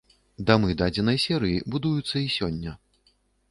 Дамы дадзенай серыі будуюцца і сёння.